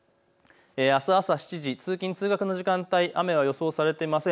あす朝７時、通勤通学の時間帯、雨が予想されていません。